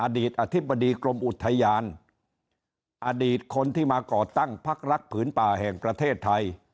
อดีตอธิบดีกรมอุทยานอดีตคนที่มาก่อตั้งพักรักผืนป่าแห่งประเทศไทย